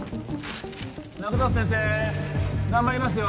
中里先生頑張りますよ